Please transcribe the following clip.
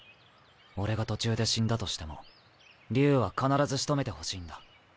俺が途中で死んだとしても竜は必ず仕留めてほしいんだ。